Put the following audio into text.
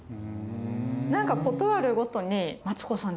何か事あるごとに。